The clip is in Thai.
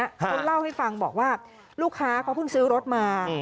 เขาเล่าให้ฟังบอกว่าลูกค้าเขาเพิ่งซื้อรถมา